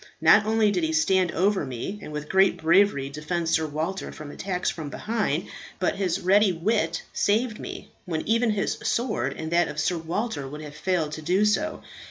Not only did he stand over me, and with great bravery defend Sir Walter from attacks from behind, but his ready wit saved me, when even his sword and that of Sir Walter would have failed to do so.